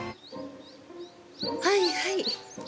はいはい。